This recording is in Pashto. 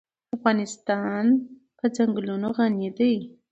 افغانستان په چنګلونه غني دی.